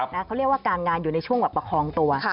เขาเรียกว่าการงานอยู่ในช่วงแบบประคองตัว